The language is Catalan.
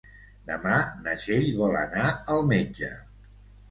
Demà na Txell vol anar al metge.